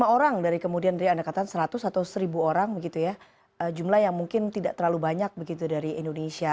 lima orang dari kemudian dari anda katakan seratus atau seribu orang jumlah yang mungkin tidak terlalu banyak dari indonesia